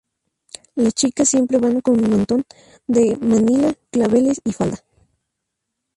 Las chicas siempre van con mantón de Manila, claveles y falda.